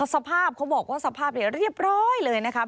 สภาพเขาบอกว่าสภาพเรียบร้อยเลยนะคะ